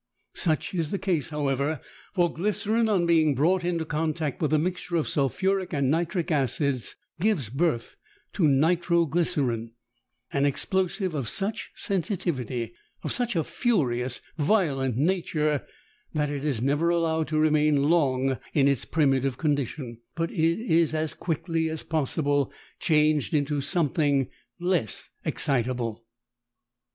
Such is the case, however, for glycerine on being brought into contact with a mixture of sulphuric and nitric acids gives birth to nitro glycerine, an explosive of such sensitivity, of such a furious, violent nature, that it is never allowed to remain long in its primitive condition, but is as quickly as possible changed into something less excitable.